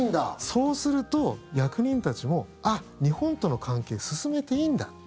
そうすると、役人たちも日本との関係、進めていいんだ。